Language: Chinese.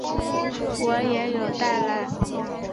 我也有带来